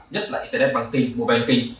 nhất là internet bằng tin mobile kinh